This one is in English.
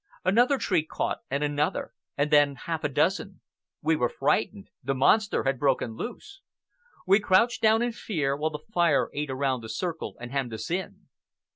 Another tree caught, and another, and then half a dozen. We were frightened. The monster had broken loose. We crouched down in fear, while the fire ate around the circle and hemmed us in.